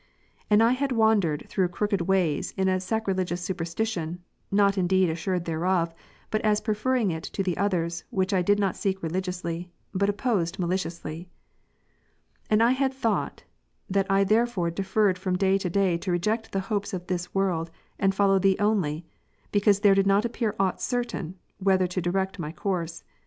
And I had wandered through crooked ways in a sacrilegious superstition ", not indeed assured thereof, but as preferring it to the others which I did not seek religiously, but opposed maliciously. 18. And I had thought, that I therefore deferred from day to day to reject the hopes of this world, and follow Thee onlj^ because there did not appear aught certain, whither to direct my course.